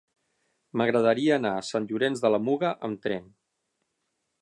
M'agradaria anar a Sant Llorenç de la Muga amb tren.